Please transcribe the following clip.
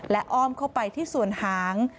และอ้อมเข้าไปที่ส่วนหาง